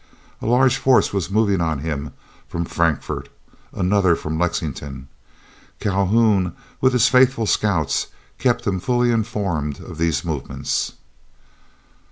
A large force was moving on him from Frankfort; another from Lexington. Calhoun with his faithful scouts kept him fully informed of these movements.